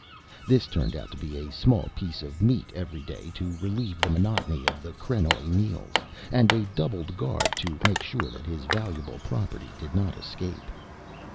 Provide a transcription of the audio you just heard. This turned out to be a small piece of meat every day to relieve the monotony of the krenoj meals, and a doubled guard to make sure that his valuable property did not escape.